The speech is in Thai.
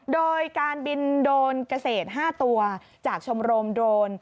โดยการบินโดรนเกษตร๕ตัวจากชมรมโดรน